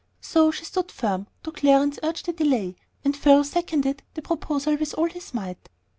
So she stood firm, though Clarence urged a delay, and Phil seconded the proposal with all his might.